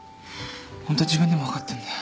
ホントは自分でも分かってんだよ。